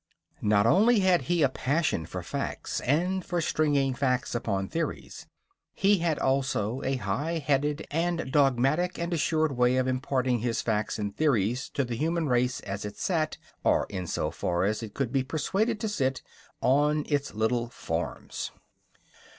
Not only had he a passion for facts and for stringing facts upon theories. He had also a high headed and dogmatic and assured way of imparting his facts and theories to the human race as it sat or in so far as it could be persuaded to sit on its little forms.